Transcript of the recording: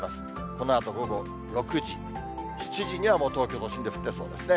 このあと午後６時、７時には、もう東京都心で降ってそうですね。